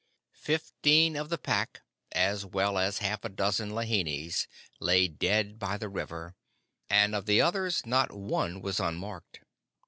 Fifteen of the Pack, as well as half a dozen lahinis, lay dead by the river, and of the others not one was unmarked.